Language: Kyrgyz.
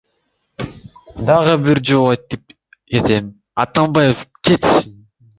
Дагы бир жолу айтып кетем, Атамбаев кетсин!